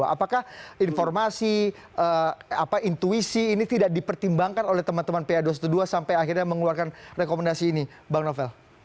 apakah informasi intuisi ini tidak dipertimbangkan oleh teman teman pa dua ratus dua belas sampai akhirnya mengeluarkan rekomendasi ini bang novel